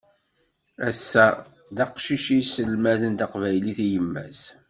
Ass-a d aqcic i isselmaden taqbaylit i yemma-s.